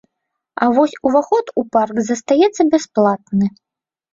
А вось уваход у парк застаецца бясплатны.